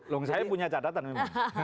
loh saya punya catatan memang